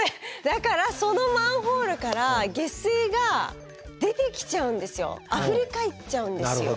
だからそのマンホールから下水が出てきちゃうんですよ。あふれかえっちゃうんですよ。